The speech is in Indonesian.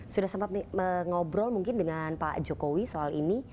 sudah sempat mengobrol mungkin dengan pak jokowi soal ini